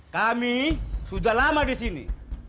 kami sudah lama di sini